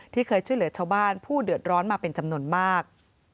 ที่เคยช่วยเหลือชาวบ้านผู้เดือดร้อนมาเป็นจำนวนมาก